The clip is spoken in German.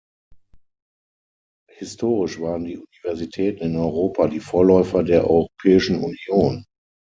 Historisch waren die Universitäten in Europa die Vorläufer der Europäischen Union.